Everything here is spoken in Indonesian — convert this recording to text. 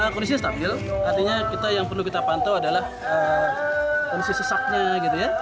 kondisinya stabil artinya kita yang perlu kita pantau adalah kondisi sesaknya gitu ya